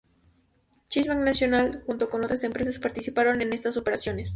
Chase Bank Nacional, junto con otras empresas, participaron en estas operaciones.